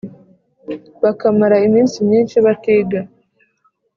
bakamara iminsi myinshi batiga